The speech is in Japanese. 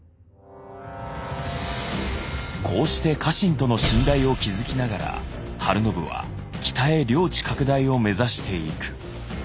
こうして家臣との信頼を築きながら晴信は北へ領地拡大を目指していく。